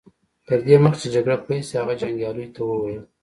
تر دې مخکې چې جګړه پيل شي هغه جنګياليو ته وويل.